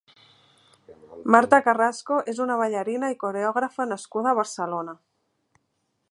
Marta Carrasco és una ballarina i coreògrafa nascuda a Barcelona.